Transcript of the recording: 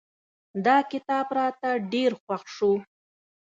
دا کتاب راته ډېر خوښ شو.